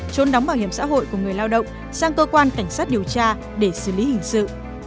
trốn đóng bảo hiểm xã hội của người lao động sang cơ quan cảnh sát điều tra để xử lý hình sự